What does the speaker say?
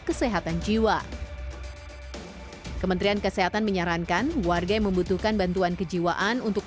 kesehatan jiwa kementerian kesehatan menyarankan warga yang membutuhkan bantuan kejiwaan untuk